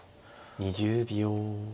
２０秒。